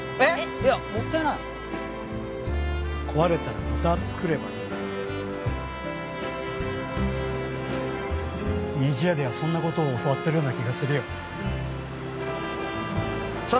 いやもったいない壊れたらまたつくればいいにじやではそんなことを教わってるような気がするよさあ